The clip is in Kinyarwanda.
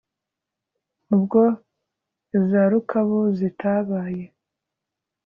Ubwo iza Rukabu zitabaye